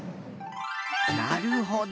なるほど。